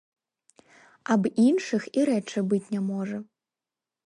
Аб іншых і рэчы быць не можа.